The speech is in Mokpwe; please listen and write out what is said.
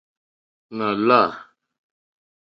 Nà lâ.